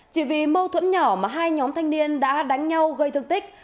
chỉ vì mâu thuẫn nhỏ mà hai nhóm thanh niên đã đánh nhau gây thương tích